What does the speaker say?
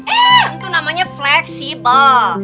eh itu namanya fleksibel